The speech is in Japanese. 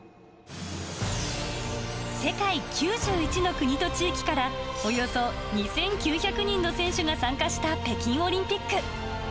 世界９１の国と地域から、およそ２９００人の選手が参加した北京オリンピック。